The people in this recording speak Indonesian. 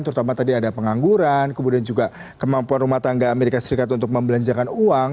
terutama tadi ada pengangguran kemudian juga kemampuan rumah tangga amerika serikat untuk membelanjakan uang